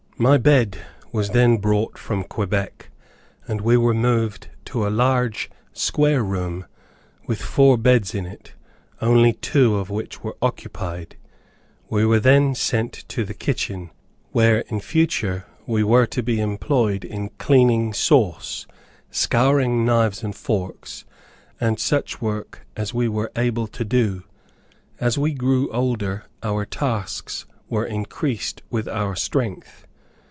My bed was then brought from Quebec, and we were moved to a large square room, with four beds in it, only two of which were occupied. We were then sent to the kitchen, where in future, we were to be employed in cleaning sauce, scouring knives and forks, and such work as we were able to do. As we grew older, our tasks were increased with our strength.